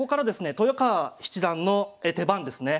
豊川七段の手番ですね。